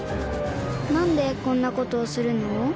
何でこんなことをするの？